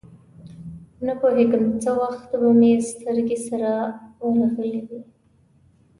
نپوهېږم څه وخت به مې سترګې سره ورغلې وې.